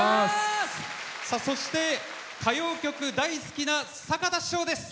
そして歌謡曲大好きという坂田師匠です。